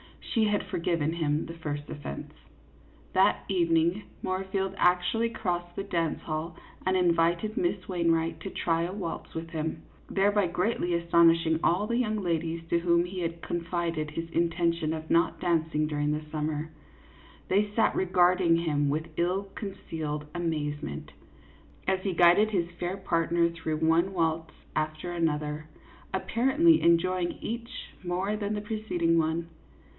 She had forgiven him the first offence. That evening, Moorfield actually crossed the dance hall and invited Miss Wainwright to try a waltz with him, thereby greatly astonishing all the young ladies to whom he had confided his intention of not dancing during the summer ; they sat regarding him with ill concealed amazement, as he guided his fair partner through one waltz after another, apparently enjoying each more than the preceding one.